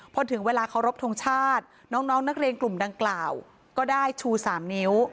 พอถึงเวลาเคารพทงชาติน้องนักเรียนกลุ่มดังกล่าวก็ได้ชู๓นิ้ว